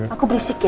aku berisik ya